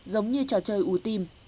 giống như trò chơi ủ tim